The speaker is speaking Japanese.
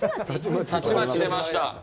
「たちまち」出ました。